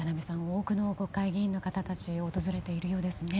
多くの国会議員の方たちが訪れているようですね。